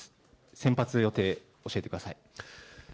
先発予定、教えてください。